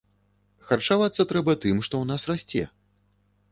Харчавацца трэба тым, што ў нас расце.